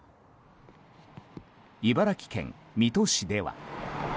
茨城県水戸市では。